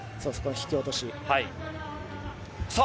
引き落とし。